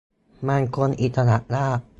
มันคงอิสระยาก